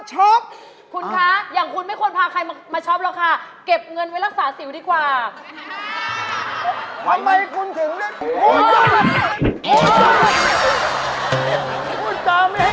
เหมือนพาคนไข้มาจากถุงกลางบาท